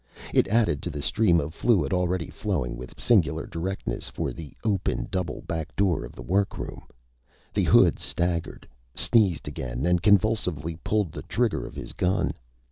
It added to the stream of fluid already flowing with singular directness for the open, double, back door of the workroom. The hood staggered, sneezed again, and convulsively pulled the trigger of his gun.